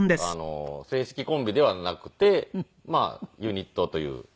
正式コンビではなくてユニットという。